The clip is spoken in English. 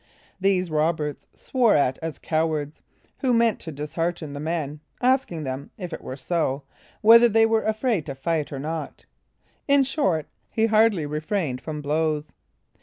These Roberts swore at as cowards, who meant to dishearten the men, asking them, if it were so, whether they were afraid to fight or not? In short, he hardly refrained from blows.